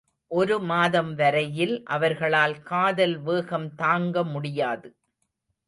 ஒரு மாதம் வரையில் அவர்களால் காதல் வேகம் தாங்கமுடியாது!